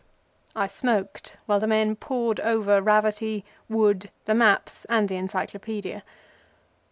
I smoked while the men pored over Raverty, Wood, the maps and the Encyclopædia.